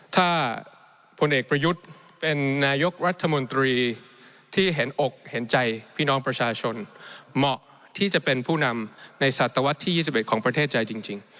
ถ้าพลเอกประยุทธ์เป็นนายกรัฐมนตรีที่เห็นอกเห็นใจพี่น้องประชาชนเหมาะที่จะเป็นผู้นำในศตวรรษที่๒๑ของประเทศใจจริง